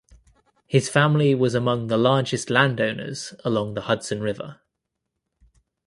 His family was among the largest landowners along the Hudson River.